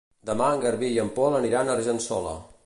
Demà en Garbí i en Pol aniran a Argençola.